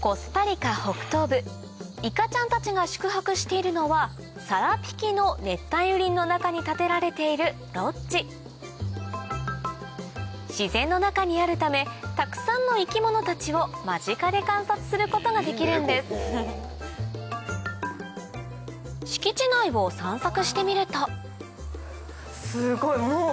コスタリカ北東部いかちゃんたちが宿泊しているのはサラピキの熱帯雨林の中に建てられているロッジ自然の中にあるためたくさんの生き物たちを間近で観察することができるんです敷地内を散策してみるとすごいもう。